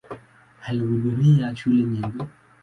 Alihudhuria shule nyingi.